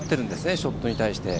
ショットに対して。